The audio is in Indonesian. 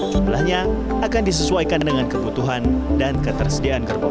jumlahnya akan disesuaikan dengan kebutuhan dan ketersediaan gerbong